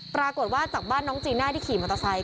ปรากฏว่าจากบ้านน้องจีน่าที่ขี่มอเตอร์ไซค